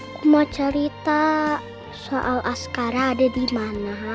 aku mau cerita soal askara ada di mana